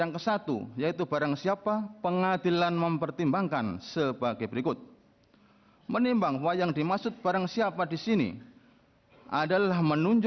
kepulauan seribu kepulauan seribu